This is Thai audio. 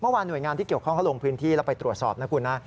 เมื่อวานหน่วยงานที่เกี่ยวข้องเขาลงพื้นที่แล้วไปตรวจสอบนะคุณนะ